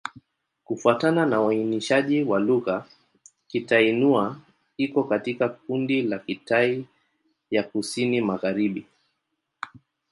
Kufuatana na uainishaji wa lugha, Kitai-Nüa iko katika kundi la Kitai ya Kusini-Magharibi.